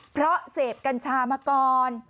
เพราะเสพกัญชามาก่อน